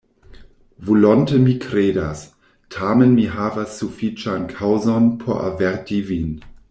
Volonte mi kredas; tamen mi havas sufiĉan kaŭzon, por averti vin.